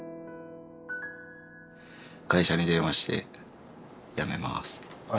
会社に電話して「辞めます」って。